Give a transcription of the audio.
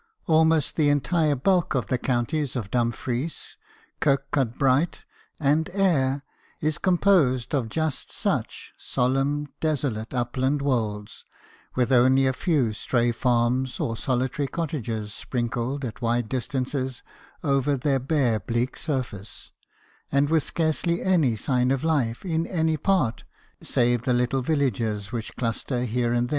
Almost the entire bulk of the counties of Dumfries, Kirkcudbright, and Ayr is composed of just such solemn desolate upland wolds, with only a few stray farms or solitary cottages sprinkled at wide distances over their bare bleak surface, and with scarcely any sign of life in any part save the little villages which cluster here and 6 BIOGRAPHIES OF WORKING MEN.